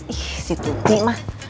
ih si tuti mas